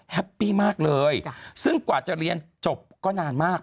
แฮปปี้มากเลยซึ่งกว่าจะเรียนจบก็นานมาก